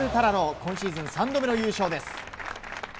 今シーズン３度目の優勝です。